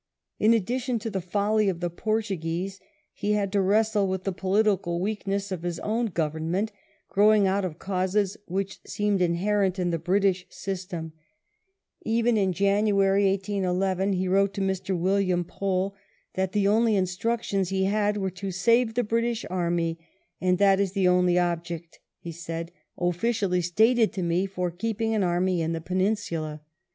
In addition to the folly of the Portngnese he had to wrestle with the political weakness of his own Government, growing ont of causes which seemed inherent in the British system* Even in January, 1811, lie wroto to Mr. William Pole that the only instructions he had were ^^ to save the British army, and that is the only object," he said, " officially stated to me for keeping an army in the Peninsula."